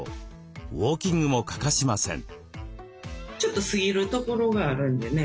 ウオーキングも欠かしません。